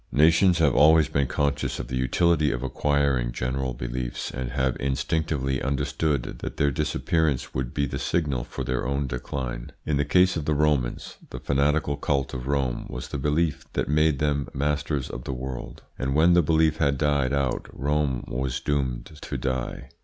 Nations have always been conscious of the utility of acquiring general beliefs, and have instinctively understood that their disappearance would be the signal for their own decline. In the case of the Romans, the fanatical cult of Rome was the belief that made them masters of the world, and when the belief had died out Rome was doomed to die.